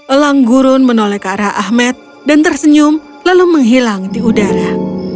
elang gurun menoleh ke arah ahmed dan tersenyum lalu menghilang di udara